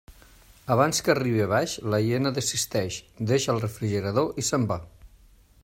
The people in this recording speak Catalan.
Abans que arribi a baix, la hiena desisteix, deixa el refrigerador i se'n va.